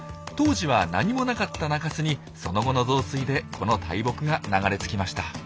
当時は何もなかった中州にその後の増水でこの大木が流れ着きました。